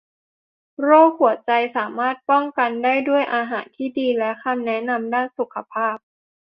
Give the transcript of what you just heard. โรคหัวใจสามารถป้องกันได้ด้วยอาหารที่ดีและคำแนะนำด้านสุขภาพ